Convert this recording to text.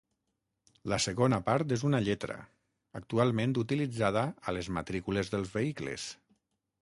La segona part és una lletra, actualment utilitzada a les matrícules dels vehicles.